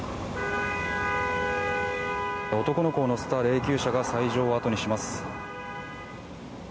男の子を乗せた霊きゅう車が斎場を後にします。